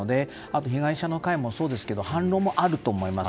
被害者の会もそうですが反論もあると思います。